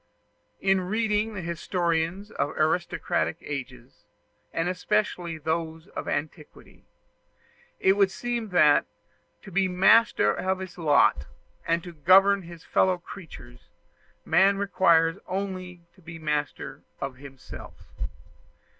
In reading the historians of aristocratic ages, and especially those of antiquity, it would seem that, to be master of his lot, and to govern his fellow creatures, man requires only to be master of himself.